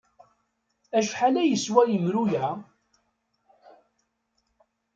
Acḥal ay yeswa yemru-a?